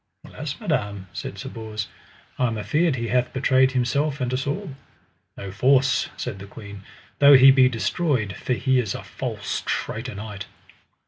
Alas madam, said Sir Bors, I am afeard he hath betrayed himself and us all. No force, said the queen, though he be destroyed, for he is a false traitor knight.